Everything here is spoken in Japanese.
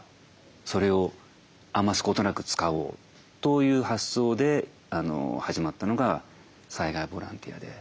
それを余すことなく使おうという発想で始まったのが災害ボランティアで。